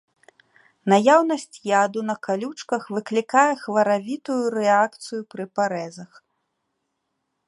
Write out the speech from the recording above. Наяўнасць яду на калючках выклікае хваравітую рэакцыю пры парэзах.